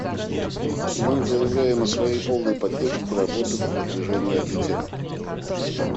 Мы заявляем о своей полной поддержке работы по продвижению этой темы.